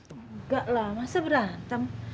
enggak lah masa berantem